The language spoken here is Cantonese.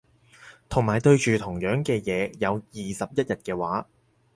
同埋對住同樣嘅嘢有二十一日嘅話